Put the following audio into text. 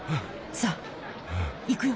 さあ行くよ。